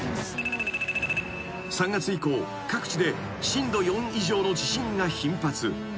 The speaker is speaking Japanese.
［３月以降各地で震度４以上の地震が頻発］